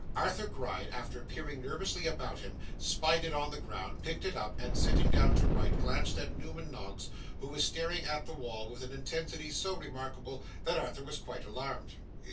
Arthur Gride, after peering nervously about him, spied it on the ground, picked it up, and sitting down to write, glanced at Newman Noggs, who was staring at the wall with an intensity so remarkable, that Arthur was quite alarmed.